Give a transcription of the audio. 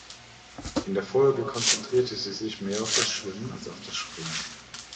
In der Folge konzentrierte sie sich mehr auf das Schwimmen als auf das Springen.